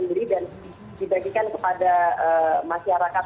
mereka sendiri dan dibagikan kepada masyarakat